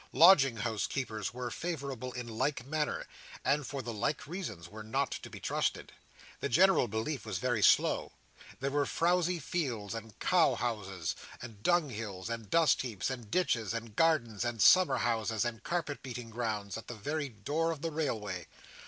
Lodging house keepers were favourable in like manner; and for the like reasons were not to be trusted. The general belief was very slow. There were frowzy fields, and cow houses, and dunghills, and dustheaps, and ditches, and gardens, and summer houses, and carpet beating grounds, at the very door of the Railway.